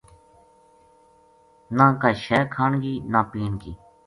نہ کائے شے کھان کی نہ پین کی